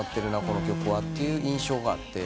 この曲は」という印象があって。